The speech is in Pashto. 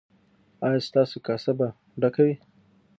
ایا ستاسو کاسه به ډکه وي؟